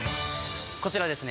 こちらですね